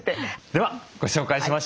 ではご紹介しましょう。